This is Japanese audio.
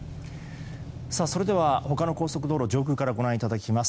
他の高速道路を上空からご覧いただきます。